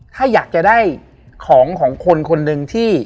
ถ้าอยากจะได้ของของคนคนหนึ่งที่